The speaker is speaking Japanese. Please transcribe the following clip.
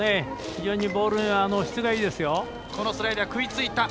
非常にボール質がいいですよ。